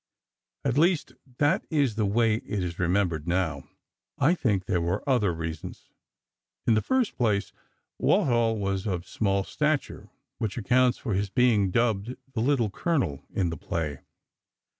At least, that is the way it is remembered, now. I think there were other reasons: In the first place, Walthall was of small stature, which accounts for his being dubbed the "little Colonel" in the play.